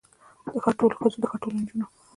د ښار د ټولو ښځو، د ښار د ټولو نجونو